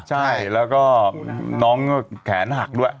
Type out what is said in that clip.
ใช่แล้วก็น้องก็แขนหักด้วย